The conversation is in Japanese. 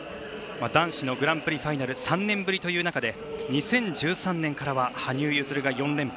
男子のグランプリファイナル３年ぶりという中で２０１３年からは羽生結弦が４連覇。